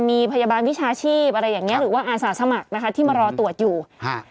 มีพยาบาลวิชาชีพอะไรอย่างเงี้หรือว่าอาสาสมัครนะคะที่มารอตรวจอยู่ฮะ